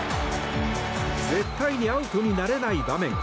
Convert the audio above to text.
絶対にアウトになれない場面。